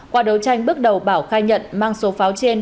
qua đấu tranh bước đầu bảo khai nhận mang số pháo trên